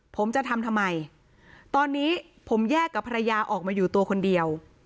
ผมจะทำทำไมตอนนี้ผมแยกกับภรรยาออกมาอยู่ตัวคนเดียว